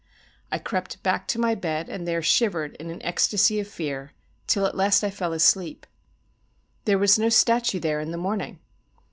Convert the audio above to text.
I crept back to my bed, and there shivered in an ecstasy of fear, till at last I fell asleep. There was no statue there in the morning!